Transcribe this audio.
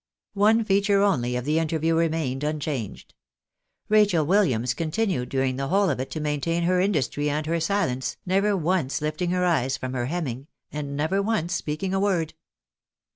One feature only of the interview remained unchanged. Rachel "Williams continued during the whole of it to maintain her industry and her silence, never once hfting her eyes from her hemming, and never once speaking a word.